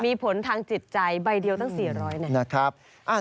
มีผลทางจิตใจใบเดียวตั้ง๔๐๐บาท